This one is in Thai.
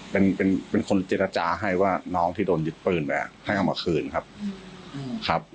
เป็นเป็นคนเจรจาให้ว่าน้องที่โดนยึดปืนไปให้เอามาคืนครับครับ